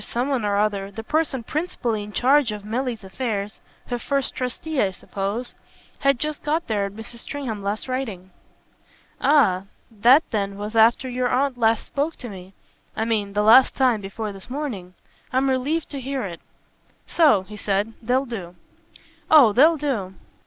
Someone or other, the person principally in charge of Milly's affairs her first trustee, I suppose had just got there at Mrs. Stringham's last writing." "Ah that then was after your aunt last spoke to me I mean the last time before this morning. I'm relieved to hear it. So," he said, "they'll do." "Oh they'll do."